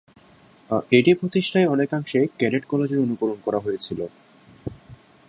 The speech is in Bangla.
এটি প্রতিষ্ঠায় অনেকাংশে ক্যাডেট কলেজের অনুকরণ করা হয়েছিল।